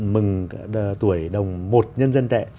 mừng tuổi đồng một nhân dân tệ